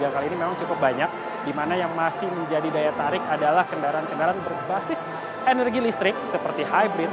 kali ini memang cukup banyak di mana yang masih menjadi daya tarik adalah kendaraan kendaraan berbasis energi listrik seperti hybrid